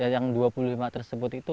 yang dua puluh lima tersebut itu